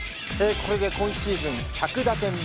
これで今シーズン１００打点目。